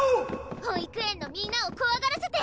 保育園のみんなをこわがらせて！